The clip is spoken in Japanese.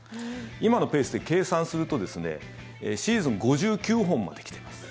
今のペースで計算するとシーズン５９本まで来てます。